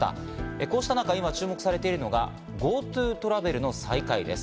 こうした中、今注目されているのがＧｏＴｏトラベルの再開です。